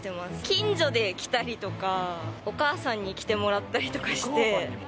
近所で着たりとか、お母さんにきてもらったりとかして。